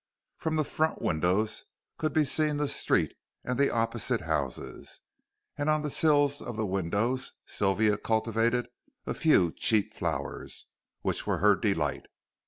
From the front windows could be seen the street and the opposite houses, and on the sills of the windows Sylvia cultivated a few cheap flowers, which were her delight.